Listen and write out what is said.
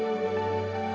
ini yang harus diberikan pak